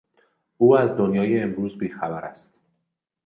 او از دنیای امروز بیخبر است.